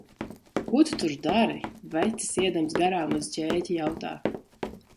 "Ko tu tur dari?" vecis, iedams garām uz ķēķi jautā.